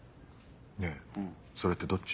ねぇそれってどっち？